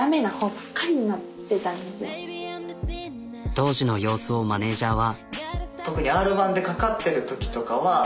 当時の様子をマネジャーは。